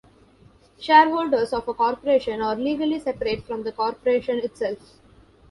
Shareholders of a corporation are legally separate from the corporation itself.